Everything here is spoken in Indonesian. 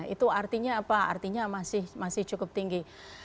itu artinya apa artinya masih cukup tinggi